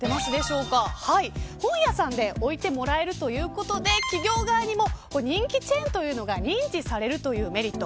本屋さんで置いてもらえるということで企業側にも人気チェーンというのが認知されるというメリット。